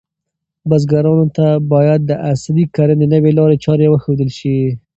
بزګرانو ته باید د عصري کرنې نوې لارې چارې وښودل شي.